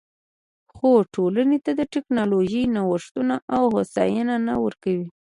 خو ټولنې ته ټکنالوژیکي نوښتونه او هوساینه نه ورکوي